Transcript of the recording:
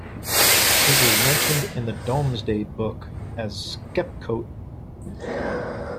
It was mentioned in the Domesday Book as "Scepecote".